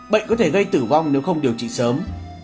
bệnh có thể gây tử vong nếu không điều trị sớm